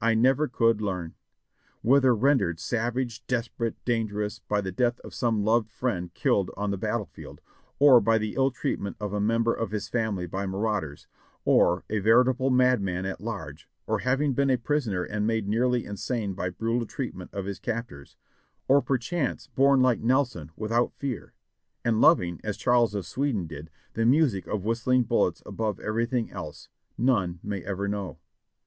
I never could learn. Whether rendered savage, desperate, dangerous, by the death of some loved friend killed on the battle field, or by the ill treatment of a member of his family by marauders, or a veritable madman at large, or having been a prisoner and made nearly in sane by brutal treatment of his captors ; or perchance born like Nelson, without fear, and loving, as Charles of Sweden did, the music of whistling bullets above everything else, none may ever know.